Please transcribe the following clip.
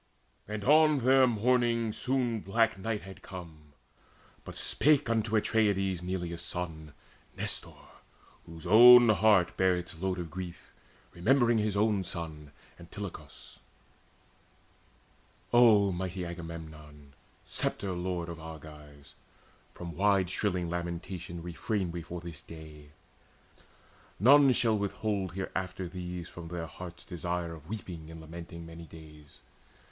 And on their mourning soon black night had come, But spake unto Atreides Neleus' son, Nestor, whose own heart bare its load of grief Remembering his own son Antilochus: "O mighty Agamemnon, sceptre lord Of Argives, from wide shrilling lamentation Refrain we for this day. None shall withhold Hereafter these from all their heart's desire Of weeping and lamenting many days.